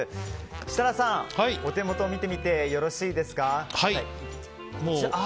設楽さん、お手元見てみてよろしいですか？